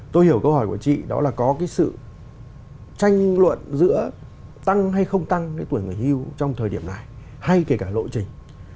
tôi hiểu câu hỏi của chị đó là có cái sự tranh luận giữa tăng hay không tăng cái tuổi người hưu trong thời điểm này hay kể cả lộ trình